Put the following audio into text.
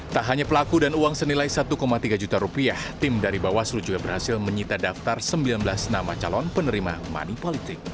tak hanya pelaku dan uang senilai satu tiga juta rupiah tim dari bawaslu juga berhasil menyita daftar sembilan belas nama calon penerima money politik